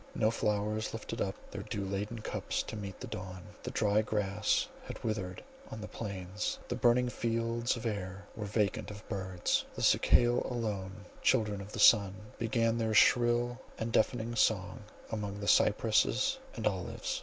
No flowers lifted up their dew laden cups to meet the dawn; the dry grass had withered on the plains; the burning fields of air were vacant of birds; the cicale alone, children of the sun, began their shrill and deafening song among the cypresses and olives.